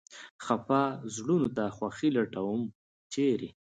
خپه زړونو ته خوښي لټوم ، چېرې ؟